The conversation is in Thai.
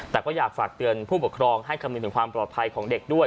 แต่ก็อยากฝากเตือนผู้ปกครองให้คำนึงถึงความปลอดภัยของเด็กด้วย